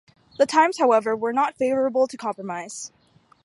The times, however, were not favourable to compromise.